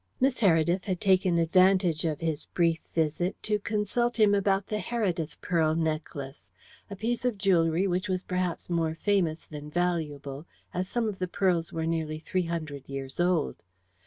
Miss Heredith had taken advantage of his brief visit to consult him about the Heredith pearl necklace a piece of jewellery which was perhaps more famous than valuable, as some of the pearls were nearly three hundred years old.